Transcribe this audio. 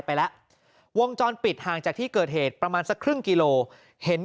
ไปแล้ววงจรปิดห่างจากที่เกิดเหตุประมาณสักครึ่งกิโลเห็น